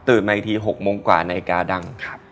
ตื่นมาอีกที๖โมงกว่าในกาดังครับ